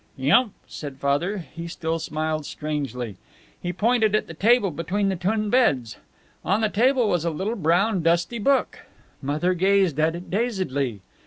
"Yump," said Father. He still smiled strangely. He pointed at the table between the twin beds. On the table was a little brown, dusty book. Mother gazed at it dazedly.